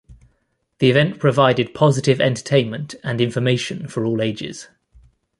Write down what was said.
The event provided positive entertainment and information for all ages.